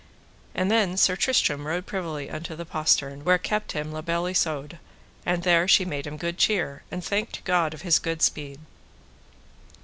And then Sir Tristram rode privily unto the postern, where kept him La Beale Isoud, and there she made him good cheer, and thanked God of his good speed.